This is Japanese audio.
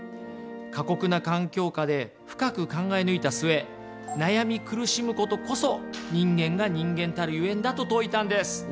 過酷な環境下で深く考え抜いた末悩み苦しむことこそ人間が人間たるゆえんだと説いたんです。